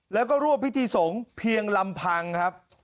แล้วก็รวบพิธีสงฆ์เพียงลำพังครับ